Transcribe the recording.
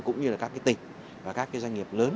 cũng như là các cái tỉnh và các cái doanh nghiệp lớn